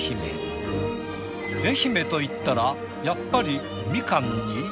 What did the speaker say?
愛媛といったらやっぱりミカンに。